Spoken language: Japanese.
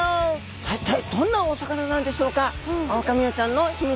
さあ一体どんなお魚なんでしょうか。